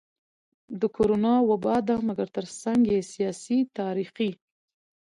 د کرونا وبا ده مګر ترڅنګ يې سياسي, تاريخي,